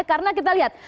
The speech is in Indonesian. karena kita lihat